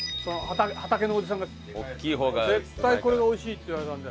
畑のおじさんが「絶対これがおいしい」って言われたんで。